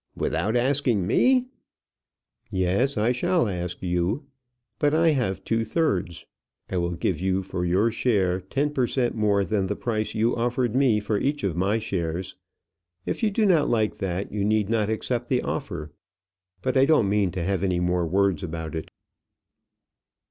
"Without asking me?" "Yes; I shall ask you. But I have two thirds. I will give you for your share 10 per cent more than the price you offered me for each of my shares. If you do not like that, you need not accept the offer; but I don't mean to have any more words about it."